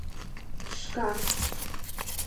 Шка-ак...